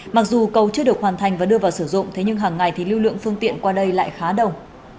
mặc dù cầu chưa được hoàn thành và đưa vào sử dụng thế nhưng hàng ngày thì lưu lượng phương tiện qua đây lại khá đông